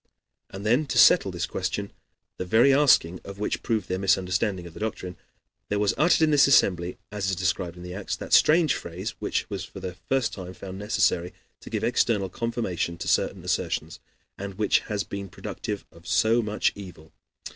And then to settle this question, the very asking of which proved their misunderstanding of the doctrine, there was uttered in this assembly, as is described in the Acts, that strange phrase, which was for the first time found necessary to give external confirmation to certain assertions, and which has been productive of so much evil.